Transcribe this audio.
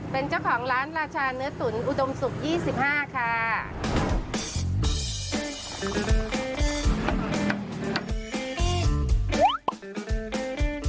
เป็นเจ้าของร้านราชาเนื้อตุ๋นอุดมศุกร์๒๕ค่ะ